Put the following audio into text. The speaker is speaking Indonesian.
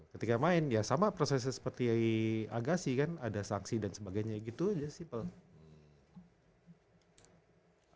ketika main ya sama prosesnya seperti agasi kan ada sanksi dan sebagainya gitu aja sih pak